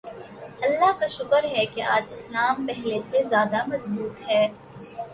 اللہ کا شکر ہے کہ آج اسلام پہلے سے زیادہ مضبوط ہے۔